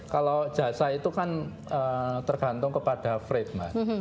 kalau jasa itu kan tergantung kepada freight